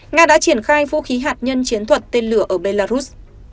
nga đã triển khai vũ khí hạt nhân chiến thuật tên lửa ở belarus